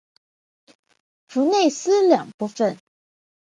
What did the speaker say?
弗内斯两部分。